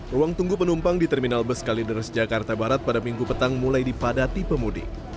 ruang tunggu penumpang di terminal bus kalideres jakarta barat pada minggu petang mulai dipadati pemudik